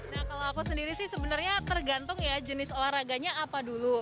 nah kalau aku sendiri sih sebenarnya tergantung ya jenis olahraganya apa dulu